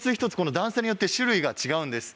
段差によって違うんです。